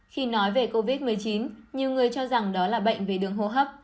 khi nói về covid một mươi chín nhiều người cho rằng đó là bệnh về đường hô hấp